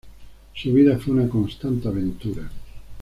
Su vida fue una constante aventura.